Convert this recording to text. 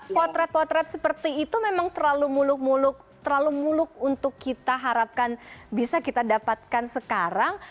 potret potret seperti itu memang terlalu muluk muluk terlalu muluk untuk kita harapkan bisa kita dapatkan sekarang